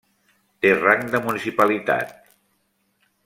Té rang de municipalitat.